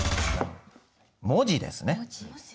文字ですね。